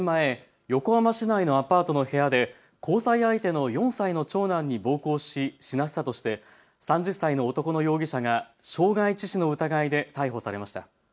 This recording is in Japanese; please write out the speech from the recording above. ４年前、横浜市内のアパートの部屋で交際相手の４歳の長男に暴行し死なせたとして３０歳の男の容疑者が傷害致死の疑いで逮捕されました。